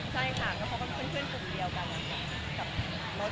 ไม่มีอะไรค่ะก็เจอกันบ่อย